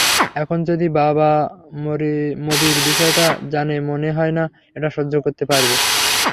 এখন যদি বাবা মবির বিষয়টা জানে মনে হয়না এটা সহ্য করতে পারবে।